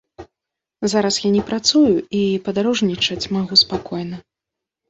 Зараз я не працую і падарожнічаць магу спакойна.